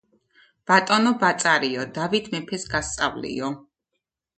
ბატონო ბაწარიო, დავით მეფეს გასწავლიო,